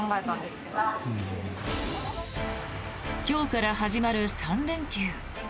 今日から始まる３連休。